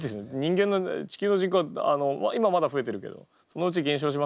地球の人口は今まだ増えてるけどそのうち減少しますよ